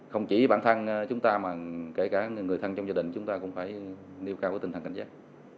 không chỉ bản thân chúng ta mà kể cả người thân trong gia đình chúng ta cũng phải nêu cao tinh thần cảnh giác